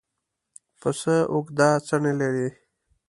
پسه اوږده څڼې لري.